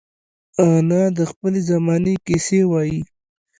انا د خپلې زمانې کیسې وايي